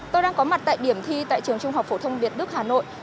tôi đang có mặt tại điểm thi tại trường trung học phổ thông việt đức hà nội